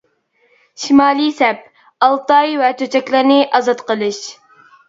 شىمالىي سەپ : ئالتاي ۋە چۆچەكلەرنى ئازاد قىلىش.